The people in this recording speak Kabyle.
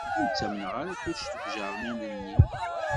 Ur ttamneɣ ara kullec deg ujernan-nni